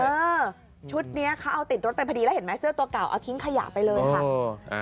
เออชุดนี้เขาเอาติดรถไปพอดีแล้วเห็นไหมเสื้อตัวเก่าเอาทิ้งขยะไปเลยค่ะ